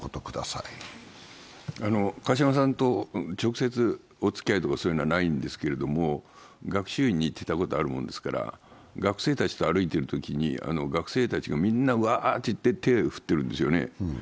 川嶋さんと直接、おつきあいはないんですが、学習院に行ってたことあるものですから学生たちと歩いてるときに学生たちがみんな、わーと言って手を振っているんですよね。